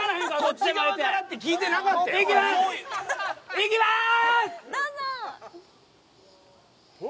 いきまーす！